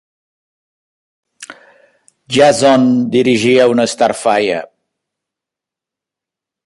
Jason dirigia una "Starfire".